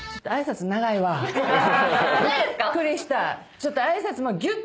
ちょっと。